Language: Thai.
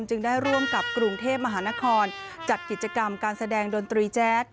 ได้ร่วมกับกรุงเทพมหานครจัดกิจกรรมการแสดงดนตรีแจ๊ด